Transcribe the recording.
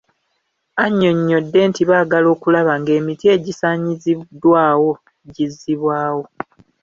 Annyonnyodde nti baagala okulaba ng'emiti egisaanyiziddwawo gizzibwawo.